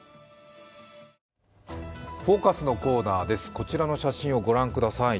こちらの写真をご覧ください。